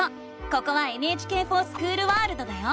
ここは「ＮＨＫｆｏｒＳｃｈｏｏｌワールド」だよ！